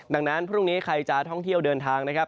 ดังนั้นพรุ่งนี้ใครจะท่องเที่ยวเดินทางนะครับ